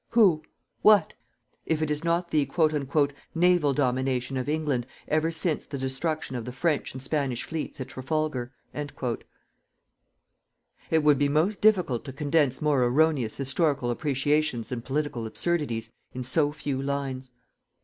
Who? What? if it is not the "naval domination" of England ever since the destruction of the French and Spanish fleets at Trafalgar._" It would be most difficult to condense more erroneous historical appreciations and political absurdities in so few lines.